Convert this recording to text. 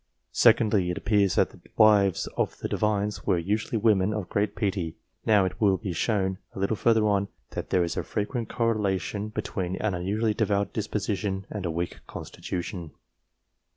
Secondly, it appears, that the wives of the Divines were usually women of great piety ; now it will be shown a little further on, that there is a frequent correlation between an unusually devout disposition and a weak con stitution.